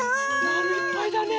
まるいっぱいだね。